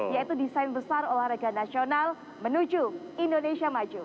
yaitu desain besar olahraga nasional menuju indonesia maju